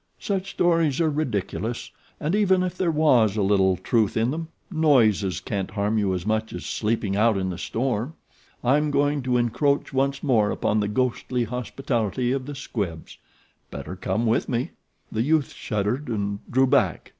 Such stories are ridiculous; and even if there was a little truth in them, noises can't harm you as much as sleeping out in the storm. I'm going to encroach once more upon the ghostly hospitality of the Squibbs. Better come with me." The youth shuddered and drew back.